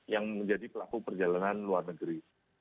yang menjadi pelaku perjalanan luar negeri